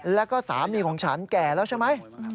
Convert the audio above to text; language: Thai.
แล้วก็สามีของฉันแก่แล้วใช่ไหม